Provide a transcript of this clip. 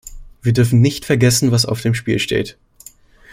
Wir dürfen nicht vergessen, was auf dem Spiel steht.